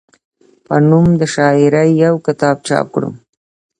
پۀ نوم د شاعرۍ يو کتاب چاپ کړو،